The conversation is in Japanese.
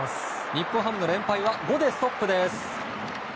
日本ハムの連敗は５でストップです。